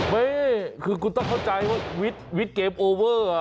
นี่คือคุณต้องเข้าใจว่าวิทย์เกมโอเวอร์